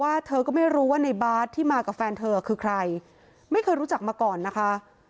เธอก็ไม่รู้ว่าในบาร์ดที่มากับแฟนเธอคือใครไม่เคยรู้จักมาก่อนนะคะ